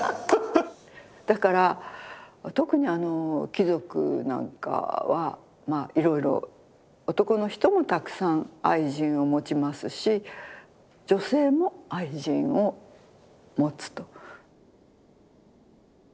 だから特に貴族なんかはいろいろ男の人もたくさん愛人を持ちますし女性も愛人を持つと。